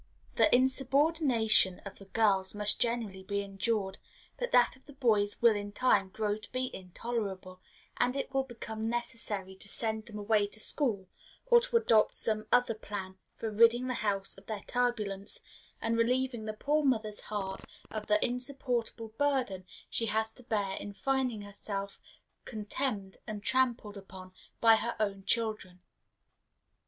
The insubordination of the girls must generally be endured, but that of the boys will in time grow to be intolerable, and it will become necessary to send them away to school, or to adopt some other plan for ridding the house of their turbulence, and relieving the poor mother's heart of the insupportable burden she has to bear in finding herself contemned and trampled upon by her own children.